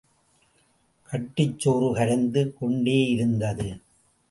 கட்டுச்சோறு கரைந்து கொண்டேயிருந்தது.